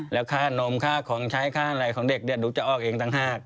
แล้วค่านมค่าของใช้ค่าอะไรของเด็กหนูจะออกเองต่างหาก